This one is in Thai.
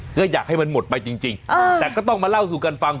ก็อยากให้มันหมดไปจริงแต่ก็ต้องมาเล่าสู่กันฟัง